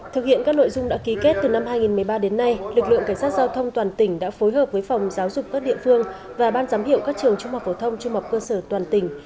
thực hiện các nội dung đã ký kết từ năm hai nghìn một mươi ba đến nay lực lượng cảnh sát giao thông toàn tỉnh đã phối hợp với phòng giáo dục các địa phương và ban giám hiệu các trường trung học phổ thông trung học cơ sở toàn tỉnh